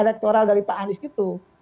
elektoral dari pak anies itu